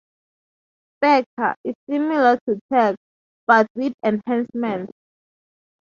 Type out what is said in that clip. "Spectar" is similar to "Targ", but with enhancements.